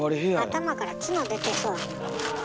頭からツノ出てそうやな。